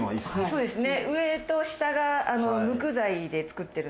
そうですね。